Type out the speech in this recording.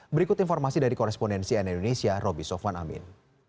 berikut informasi dari korespondensi nn indonesia roby sofwan amin